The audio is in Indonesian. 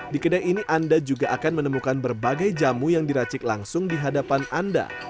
di kedai ini anda juga akan menemukan berbagai jamu yang diracik langsung di hadapan anda